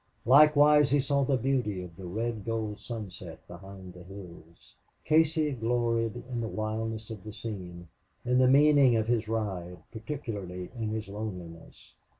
Likewise he saw the beauty of the red gold sunset behind the hills. Casey gloried in the wildness of the scene in the meaning of his ride particularly in his loneliness.